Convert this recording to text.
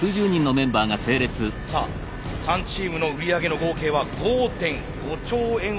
さあ３チームの売り上げの合計は５．５兆円を超えています。